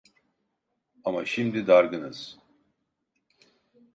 Ama şimdi dargınız…